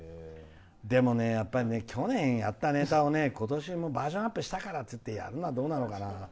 でもね、去年、やったネタを今年もバージョンアップしたからってやるのはどうなのかな？